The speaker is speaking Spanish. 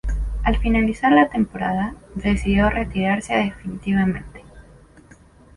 Al finalizar la temporada, decidió retirarse definitivamente.